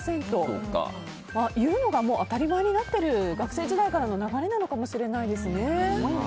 言うのが当たり前になっている学生時代からの流れなのかもしれないですね。